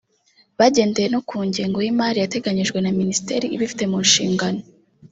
bagendeye no ku ngengo y’imari yateganyijwe na minisiteri ibifite mu nshingano